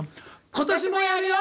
「今年もやるよ！